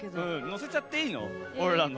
乗せちゃっていいの？